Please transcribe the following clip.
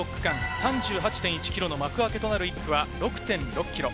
３８．１ｋｍの幕開けとなる１区は６．６ｋｍ。